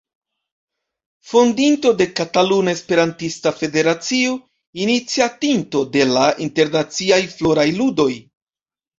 Fondinto de Kataluna Esperantista Federacio, iniciatinto de la Internaciaj Floraj Ludoj.